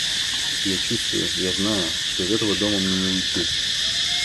И я чувствую, я знаю, что из этого дома мне не уйти.